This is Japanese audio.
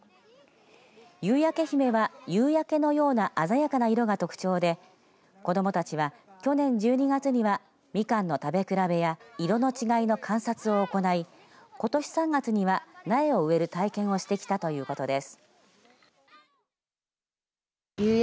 夕焼け姫は、夕焼けのような鮮やかな色が特徴で子どもたちは、去年１２月にはみかんの食べ比べや色の違いの観察を行いことし３月には苗を植える体験をしてきたということです。